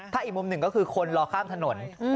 ถ้าอีกมุมหนึ่งก็คือคนรอข้ามถนน